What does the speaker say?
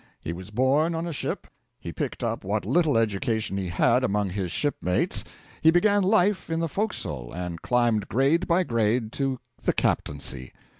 He was born on a ship; he picked up what little education he had among his ship mates; he began life in the forecastle, and climbed grade by grade to the captaincy.